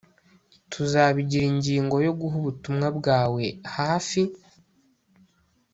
Tuzabigira ingingo yo guha ubutumwa bwawe hafi